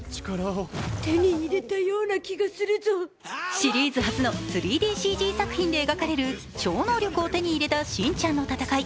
シリーズ初の３ＤＣＧ作品で描かれる超能力を手に入れたしんちゃんの戦い。